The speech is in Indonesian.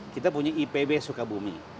kita punya ipb sukabumi